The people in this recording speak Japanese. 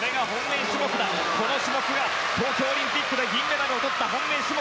この種目が東京オリンピック銀メダルを取った本命種目。